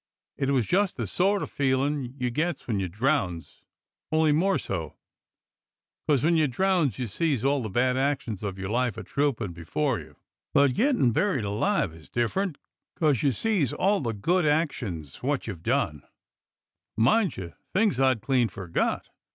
It was just the sort o' feelin' you gets when you drowns, only more so. 'Cos when you drowns you sees all the bad actions of your life a troopin' before you, but gettin' buried alive is different, 'cos you sees all the good actions wot you've done. Mind you, things I'd clean forgot.